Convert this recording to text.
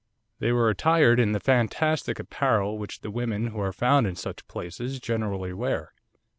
They were attired in the fantastic apparel which the women who are found in such places generally wear.